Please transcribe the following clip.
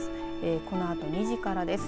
このあと２時からです。